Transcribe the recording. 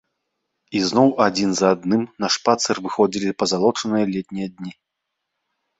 І зноў адзін за адным на шпацыр выходзілі пазалочаныя летнія дні.